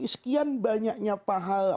sekian banyaknya pahala